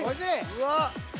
うわっ。